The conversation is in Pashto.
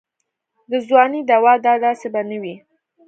د ځوانۍ دوا دا داسې به نه وي.